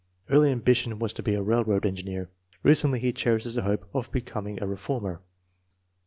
*' Early ambition was to be a railroad engineer. Recently he cherishes the hope of becoming a reformer!